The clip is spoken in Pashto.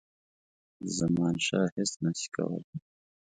زمانشاه هیچ نه سي کولای.